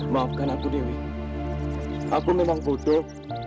maafkan aku dewi aku memang butuh